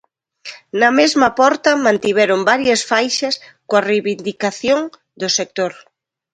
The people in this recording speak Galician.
Na mesma porta mantiveron varias faixas coa reivindicación do sector.